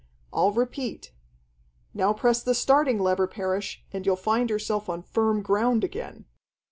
I'll repeat.... Now press the starting lever, Parrish, and you'll find yourself on firm ground again."